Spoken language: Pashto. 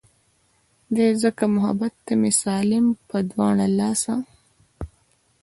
دے ځکه محبت ته مې سالم پۀ دواړه السه